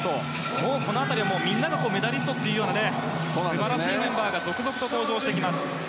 もうこの辺りはみんなメダリストという素晴らしいメンバーが続々と登場してきます。